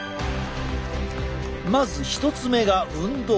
まず１つ目が運動。